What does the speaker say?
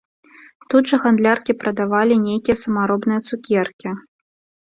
Тут жа гандляркі прадавалі нейкія самаробныя цукеркі.